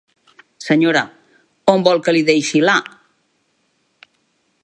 Senyora, on vol que li deixi la??